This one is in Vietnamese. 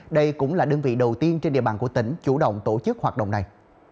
đây cũng là đơn vị đầu tiên trên địa bàn của tỉnh chủ động tổ chức hoạt động này